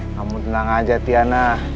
kamu tenang aja tiana